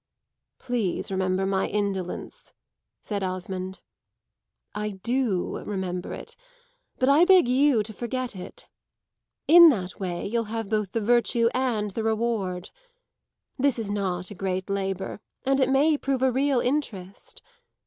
"Please remember my indolence," said Osmond. "I do remember it; but I beg you to forget it. In that way you'll have both the virtue and the reward. This is not a great labour, and it may prove a real interest.